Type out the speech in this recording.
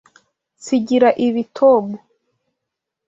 Nsigira ibi, Tom.